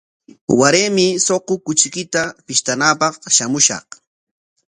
Waraymi suqu kuchiykita pishtanapaq shamushaq.